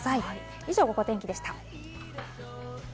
以上「ゴゴ天気」でした。